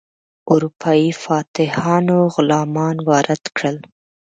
اروپایي فاتحانو غلامان وارد کړل.